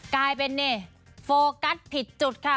กลายเป็นนี่โฟกัสผิดจุดค่ะ